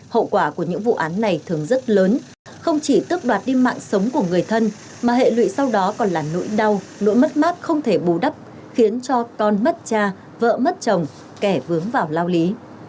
hậu quả của những vụ án này thường rất lớn không chỉ tức đoạt đi mạng sống của người thân mà hệ lụy sau đó còn là nỗi đau nỗi mất mát không thể bù đắp khiến cho con mất cha vợ mất chồng kẻ vướng vào lao lý